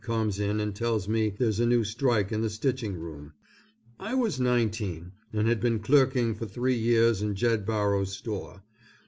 comes in and tells me there's a new strike in the stitching room. I was nineteen, and had been clerking for three years in Jed Barrow's store.